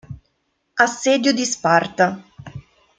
Assedio di Sparta